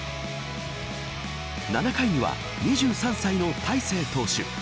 ７回には２３歳の大勢投手。